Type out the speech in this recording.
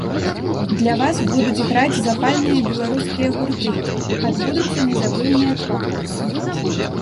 Для вас будуць граць запальныя беларускія гурты, адбудуцца незабыўныя конкурсы.